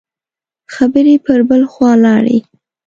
خبرې پر بل خوا لاړې.